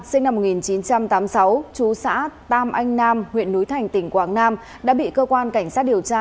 sinh năm một nghìn chín trăm tám mươi sáu chú xã tam anh nam huyện núi thành tỉnh quảng nam đã bị cơ quan cảnh sát điều tra